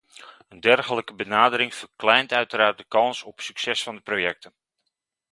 Een dergelijke benadering verkleint uiteraard de kans op succes van de projecten.